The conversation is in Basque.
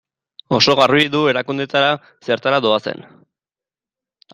Oso garbi du erakundeetara zertara doazen.